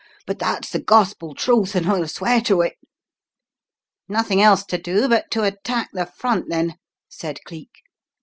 But that's the gospel truth, and I'll swear to it!" "Nothing else to do but to attack the front then," said Cleek.